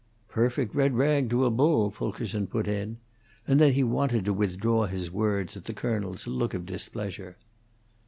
"Perfect red rag to a bull," Fulkerson put in; and then he wanted to withdraw his words at the colonel's look of displeasure.